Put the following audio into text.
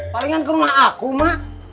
palingan ke rumah aku mak